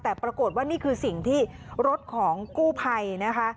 แต่ปรากฏว่านี่คือสิ่งที่รถของกู้ภัยนะคะ